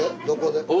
どこで？